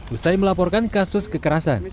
usai melaporkan kasus kekerasan